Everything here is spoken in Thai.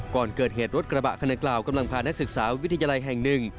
ก่อนเกิดเหตุรถกระบะคันกล่าวกำลังพานักศึกษาวิทยาลัยแห่งหนึ่ง